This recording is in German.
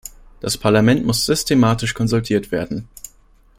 Das Parlament muss systematisch konsultiert werden.